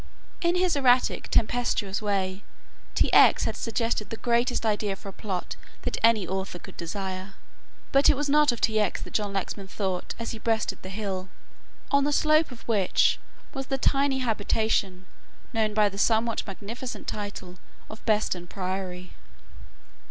In his erratic, tempestuous way, T. X. had suggested the greatest idea for a plot that any author could desire. But it was not of T. X. that John Lexman thought as he breasted the hill, on the slope of which was the tiny habitation known by the somewhat magnificent title of Beston Priory.